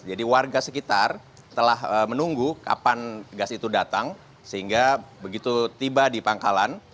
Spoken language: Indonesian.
warga sekitar telah menunggu kapan gas itu datang sehingga begitu tiba di pangkalan